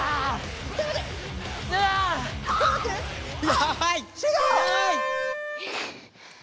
やばい！